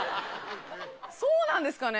そうなんですかね？